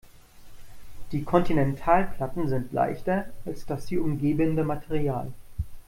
Die Kontinentalplatten sind leichter als das sie umgebende Material.